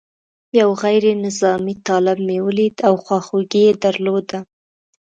یو غیر نظامي طالب مې ولید او خواخوږي یې درلوده.